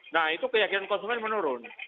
nah itu keyakinan konsumen menurun